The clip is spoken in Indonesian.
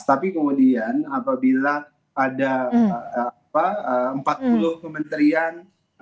tapi kemudian apabila ada empat puluh kementerian